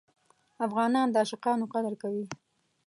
افغانان د عاشقانو قدر کوي.